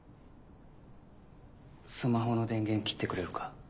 スマホの電源切ってくれるか？